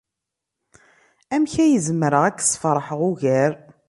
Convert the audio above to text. Amek ay zemreɣ ad k-sfeṛḥeɣ ugar?